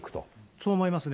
そう思いますね。